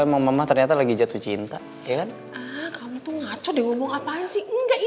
emang mama ternyata lagi jatuh cinta ya kan kamu tuh ngaco deh ngomong apaan sih enggak